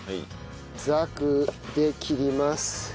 ざくで切ります。